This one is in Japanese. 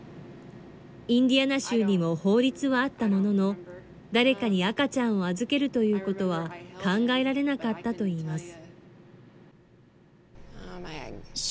インディアナ州にも法律はあったものの、誰かに赤ちゃんを預けるということは、考えられなかったといいます。